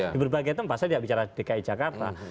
di berbagai tempat saya tidak bicara dki jakarta